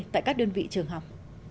tại các đơn vị trường học